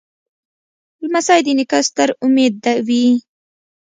لمسی د نیکه ستر امید وي.